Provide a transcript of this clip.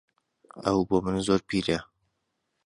ئەو بۆ من زۆر پیرە.